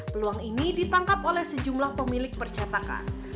peluang ini ditangkap oleh sejumlah pemilik percatakan